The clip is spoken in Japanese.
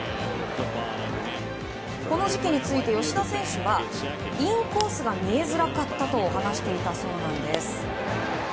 この時期について吉田選手はインコースが見えづらかったと話していたそうなんです。